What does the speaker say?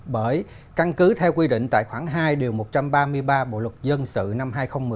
bởi căn cứ theo quy định tài khoản hai điều một trăm ba mươi ba bộ luật dân sự năm hai nghìn một mươi năm